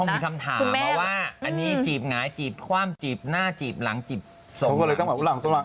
คงมีคำถามว่าอันนี้จีบไหนจีบขว้ามจีบหน้าจีบหลังจีบทรงหลัง